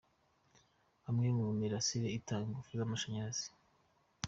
Umwe mu mirasire utanga ingufu z’amashanyarazi.